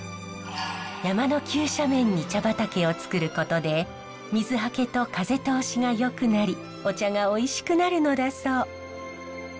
山の急斜面に茶畑をつくることで水はけと風通しがよくなりお茶がおいしくなるのだそう。